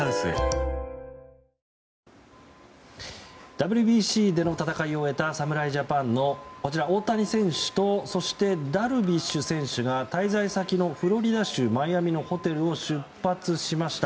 ＷＢＣでの戦いを終えた侍ジャパンの大谷選手とダルビッシュ選手が滞在先のフロリダ州マイアミのホテルを出発しました。